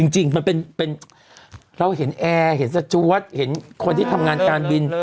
จริงมันเป็นเราเห็นแอร์เห็นสจวดเห็นคนที่ทำงานการบิน